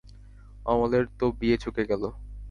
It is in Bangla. অমলের তো বিয়ে চুকে গেল।